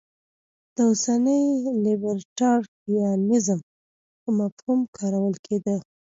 دا اوسني لیبرټریانیزم په مفهوم کارول کېده.